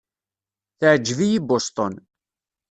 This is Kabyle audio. Teɛjeb-iyi Boston.